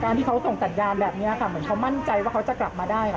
ที่เขาส่งสัญญาณแบบนี้ค่ะเหมือนเขามั่นใจว่าเขาจะกลับมาได้ค่ะ